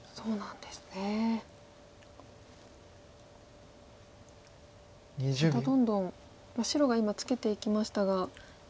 またどんどん白が今ツケていきましたがツケないで。